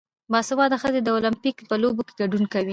باسواده ښځې د اولمپیک په لوبو کې ګډون کوي.